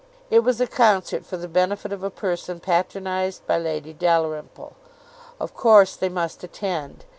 It was a concert for the benefit of a person patronised by Lady Dalrymple. Of course they must attend.